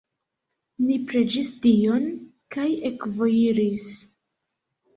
Ni preĝis Dion kaj ekvojiris.